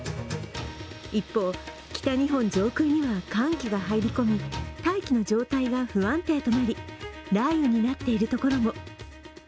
一方、北日本上空には寒気が入り込み大気の状態が不安定となり、雷雨になっている所も。